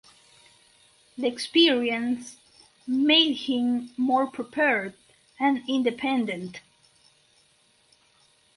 The experience made him more prepared and independent.